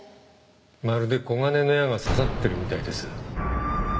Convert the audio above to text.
まるで金の矢が刺さってるみたいです。